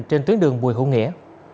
trên tuyến đường bùi hữu nghĩa